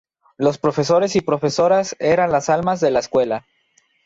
Los profesores y profesoras eran las almas de la escuela.